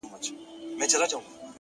سترگي ډېوې زلفې انگار دلته به اوسېږم زه”